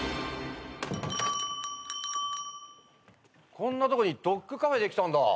・こんなとこにドッグカフェできたんだ。